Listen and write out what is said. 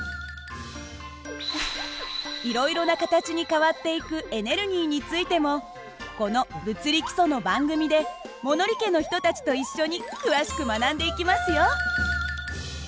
いろいろな形に変わっていくエネルギーについてもこの「物理基礎」の番組で物理家の人たちと一緒に詳しく学んでいきますよ。